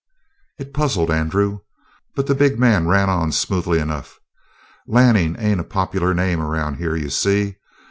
It puzzled Andrew, but the big man ran on smoothly enough: "Lanning ain't a popular name around here, you see?